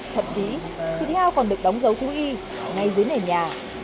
thậm chí thịt heo còn được đóng dấu thú y ngay dưới nền nhà